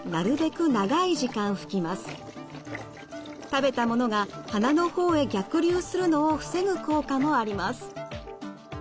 食べたものが鼻の方へ逆流するのを防ぐ効果もあります。